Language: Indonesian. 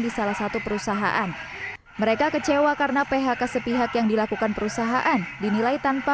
di salah satu perusahaan mereka kecewa karena phk sepihak yang dilakukan perusahaan dinilai tanpa